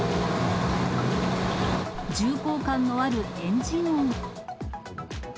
重厚感のあるエンジン音。